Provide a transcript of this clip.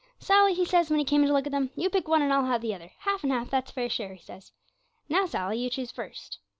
"Sally," he says, when he came in to look at them, "you pick one and I'll have the other half and half, that's fair share," he says. "Now, Sally, you choose first."